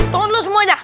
tunggu dulu semua aja